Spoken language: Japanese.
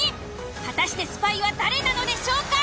果たしてスパイは誰なのでしょうか？